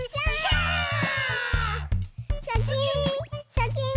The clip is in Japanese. シャキン